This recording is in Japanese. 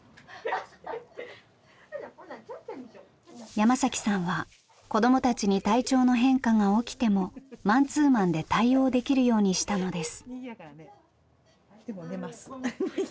山さんは子どもたちに体調の変化が起きてもマンツーマンで対応できるようにしたのです。